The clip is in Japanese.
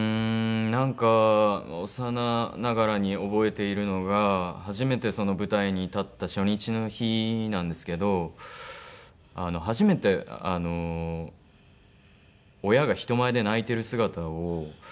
なんか幼いながらに覚えているのが初めて舞台に立った初日の日なんですけど初めてあの親が人前で泣いてる姿を見まして。